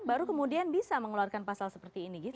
baru kemudian bisa mengeluarkan pasal seperti ini gitu